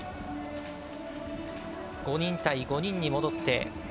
５人対５人に戻って。